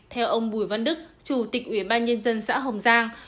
theo ông bùi văn đức chủ tịch ủy ban nhân dân xã hồng giang